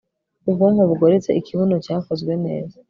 ubwonko bugoretse, ikibuno cyakozwe neza